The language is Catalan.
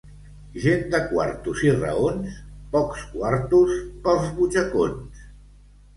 Gent de quartos i raons, pocs quartos pels butxacons.